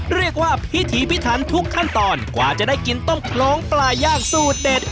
เรียกว่าพิถีพิถันทุกขั้นตอนกว่าจะได้กินต้มโครงปลาย่างสูตรเด็ด